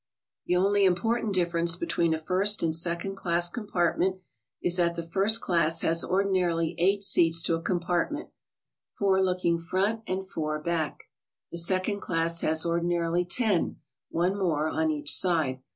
The only important difference between a first and second class compartment is that the first class has ordinarily eight seats to a compartment, four looking front and four back, — the second class has ordinarily ten, one more on each side.